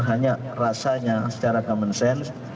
hanya rasanya secara common sense